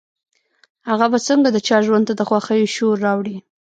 هغه به څنګه د چا ژوند ته د خوښيو شور راوړي.